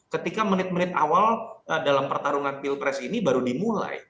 ketika menit menit awal dalam pertarungan pilpres ini baru dimulai